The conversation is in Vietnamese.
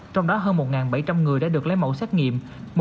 trong đó hơn một bảy trăm linh người đã được lấy mẫu xét nghiệm